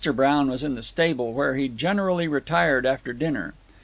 Brown was in the stable, where he generally retired after dinner.